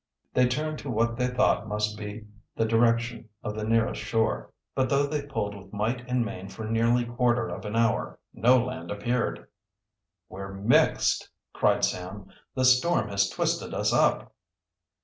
They turned to what they thought must be the direction of the nearest shore, but though they pulled with might and main for nearly quarter of an hour no land appeared. "We're mixed," cried Sam. "The storm has twisted us up."